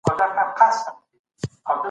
که څوک په ارامه ډوډۍ وخوري نو ښه هضمېږي.